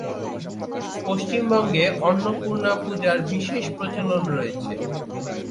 পশ্চিমবঙ্গে অন্নপূর্ণা পূজার বিশেষ প্রচলন রয়েছে।